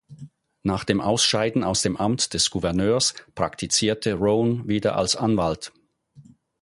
Nach dem Ausscheiden aus dem Amt des Gouverneurs praktizierte Roane wieder als Anwalt.